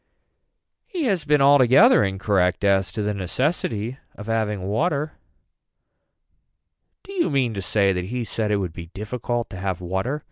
He has been altogether incorrect as to the necessity of having water. Do you mean to say that he said it would be difficult to have water.